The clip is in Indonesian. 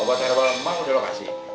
obat air balem mak udah lo kasih